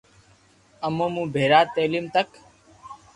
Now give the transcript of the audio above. امو مون ڀيرا، تعليم تڪ